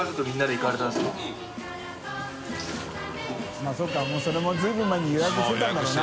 泙そうかそれも随分前に予約してたんだろうな。